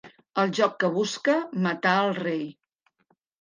El joc que busca matar el rei.